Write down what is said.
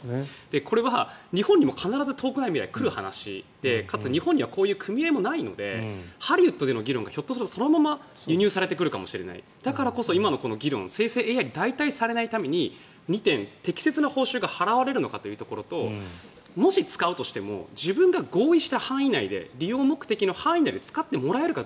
これは、日本にも必ず遠くない未来にくる話でかつ、日本にはこういう組合ないのでハリウッドの議論がひょっとするとそのまま輸入されてくるかもしれないので生成ＡＩに代替されないために２点、適切な報酬が払われるのかというところともし使うにしても自分が合意した範囲内で利用目的の範囲内で使ってもらえるか。